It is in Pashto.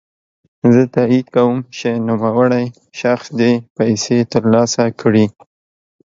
زه تاييد کوم چی نوموړی شخص دي پيسې ترلاسه کړي.